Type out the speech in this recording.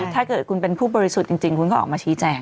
ถ้าเกิดคุณเป็นผู้บริสุทธิ์จริงคุณก็ออกมาชี้แจง